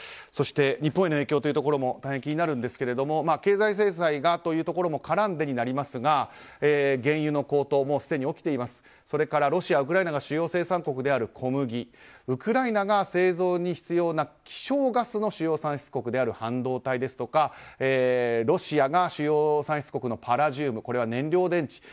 そして、日本への影響というのも大変気になるんですが経済制裁がというところも絡んでですが原油の高騰も起きていてロシアやウクライナが主要生産国である小麦ウクライナが製造に主要な希少ガスの主要産出国である半導体ですとかロシアが主要産出国のパラジウム、これは燃料電池。